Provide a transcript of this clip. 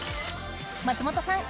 松本さん